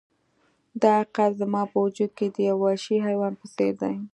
دا حقیقت زما په وجود کې د یو وحشي حیوان په څیر دی